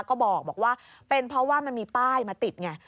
ก็บอกว่าเป็นเพราะว่ามันมีป้ายมาติดไง